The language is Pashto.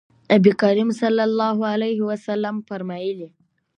نبي کريم صلی الله عليه وسلم فرمايلي: